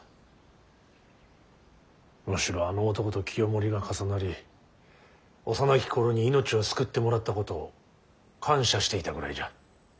むしろあの男と清盛が重なり幼き頃に命を救ってもらったことを感謝していたぐらいじゃ。